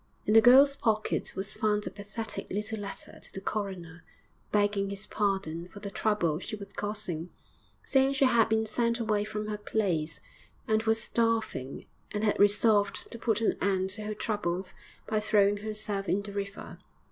In the girl's pocket was found a pathetic little letter to the coroner, begging his pardon for the trouble she was causing, saying she had been sent away from her place, and was starving, and had resolved to put an end to her troubles by throwing herself in the river.